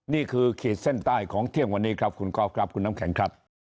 นี่คือเขตเส้นใต้ของเที่ยงวันนี้ครับคุณครอบครับคุณน้ำแข็งครับ